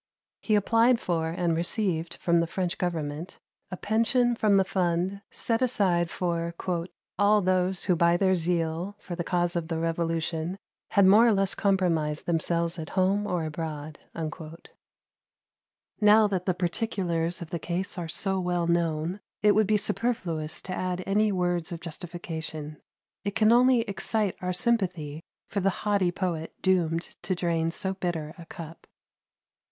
He applied for and received from the French government a pension from the fund set aside for "all those who by their zeal for the cause of the Revolution had more or less compromised themselves at home or abroad." Now that the particulars of the case are so well known, it would be superfluous to add any words of justification; it can only excite our sympathy for the haughty poet doomed to drain so bitter a cup.